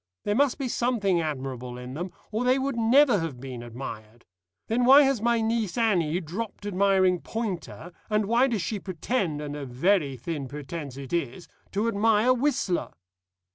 There must be something admirable in them, or they would never have been admired. Then why has my niece Annie dropped admiring Poynter, and why does she pretend and a very thin pretence it is to admire Whistler?"